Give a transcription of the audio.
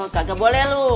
kagak boleh lo